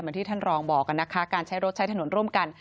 เหมือนที่ท่านรองบอก่ะการใช้รถใช้ถนนร่วมกัน